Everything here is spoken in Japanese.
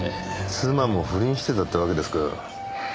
妻も不倫してたってわけですか。